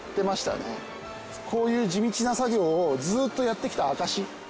こういう地道な作業をずーっとやってきた証し。